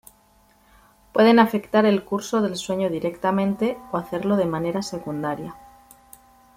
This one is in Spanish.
Pueden afectar el curso del sueño directamente, o hacerlo de manera secundaria.